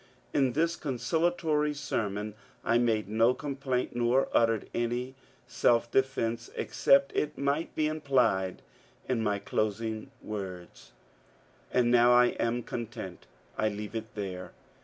In this con ciliatory sermon I made no complaint nor uttered any self defence except it might be implied in my closing words :— And now I am content. I leaye it there.